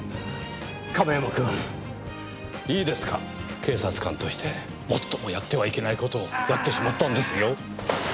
亀山君、いいですか警察官として最もやってはいけないことをやってしまったんですよ。